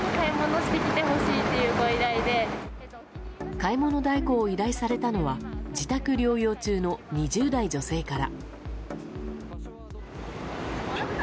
買い物代行を依頼されたのは自宅療養中の２０代女性から。